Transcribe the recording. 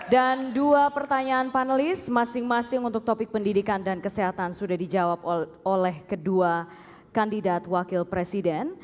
dan dua pertanyaan panelis masing masing untuk topik pendidikan dan kesehatan sudah dijawab oleh kedua kandidat wakil presiden